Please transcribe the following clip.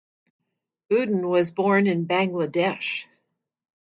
Uddin was born in Bangladesh.